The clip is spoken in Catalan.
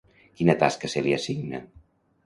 Quina tasca se li assigna?